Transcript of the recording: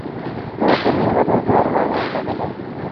ڪوٽ ميݩ وڏو دروآزو لڳل اهي۔